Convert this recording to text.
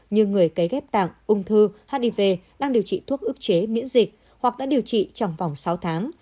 như người cấy ghép tạng ung thư hiv đang điều trị thuốc ức chế miễn dịch hoặc đã điều trị trong vòng sáu tháng